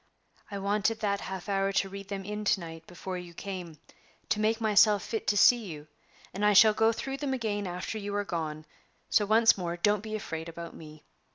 I wanted that half hour to read them in to night before you came, to make myself fit to see you, and I shall go through them again after you are gone; so, once more, don't be afraid about me.